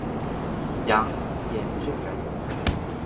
杨延俊人。